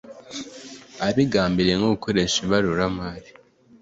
abigambiriye nko gukoresha ibaruramari